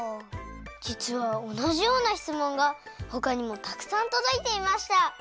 じつはおなじようなしつもんがほかにもたくさんとどいていました。